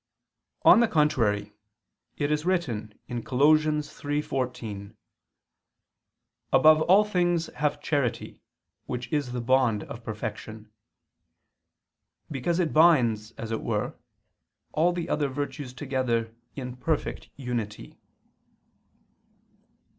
On the contrary, It is written (Col. 3:14): "Above all things have charity, which is the bond of perfection," because it binds, as it were, all the other virtues together in perfect unity.